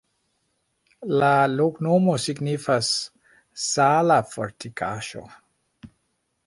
La loknomo signifas: Zala-fortikaĵo.